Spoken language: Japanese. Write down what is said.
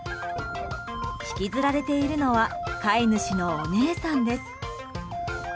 引きずられているのは飼い主のお姉さんです。